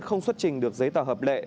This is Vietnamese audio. không xuất trình được giấy tờ hợp lệ